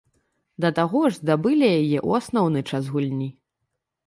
Да таго ж, здабылі яе ў асноўны час гульні.